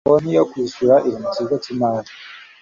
konti yo kwishyura iri mu kigo cy'imari